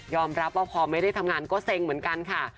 รับว่าพอไม่ได้ทำงานก็เซ็งเหมือนกันค่ะ